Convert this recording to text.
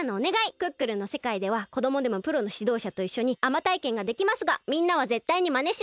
「クックルン」のせかいではこどもでもプロのしどうしゃといっしょにあまたいけんができますがみんなはぜったいにマネしないでね！